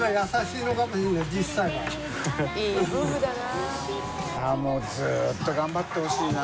い笋もうずっと頑張ってほしいな。